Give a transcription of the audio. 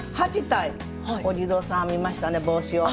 ８体お地蔵さん編みましたね帽子を。